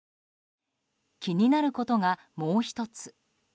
気になることが、もう１つ。